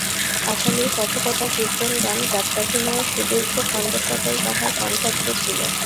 পাঁচালি কথকতা কীর্তনগান যাত্রাভিনয়ের সুদীর্ঘ খণ্ডসকল তাহার কণ্ঠাগ্রে ছিল।